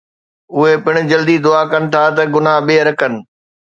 اهي پڻ جلدي دعا ڪن ٿا ته گناهه ٻيهر ڪن